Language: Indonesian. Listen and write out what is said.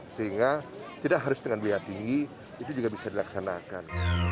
sehingga tidak harus dengan biaya tinggi itu juga bisa dilaksanakan